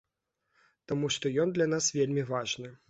Таму што ён для нас вельмі важны.